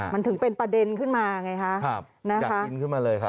มันถึงเป็นประเด็นขึ้นมาจัดกินขึ้นมาเลย